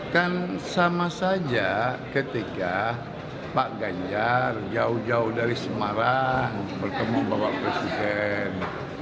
kan sama saja ketika pak ganjar jauh jauh dari semarang bertemu bapak presiden